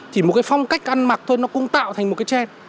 chỉ một cái phong cách ăn mặc thôi nó cũng tạo thành một cái tre